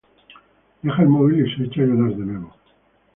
Deja el móvil y se echa a llorar de nuevo.